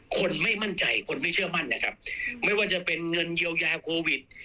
คนไม่มั่นใจคนไม่เชื่อมั่นนะครับไม่ว่าจะเป็นเงินเยียวยาโควิด